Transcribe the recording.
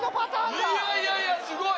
いやいやいやすごい！